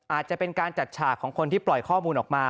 อาจจะเป็นการจัดฉากของคนที่ปล่อยข้อมูลออกมา